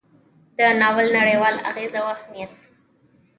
د ناول نړیوال اغیز او اهمیت: